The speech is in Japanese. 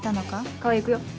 川合行くよ。